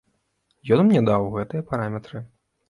Ён мне даў гэтыя параметры.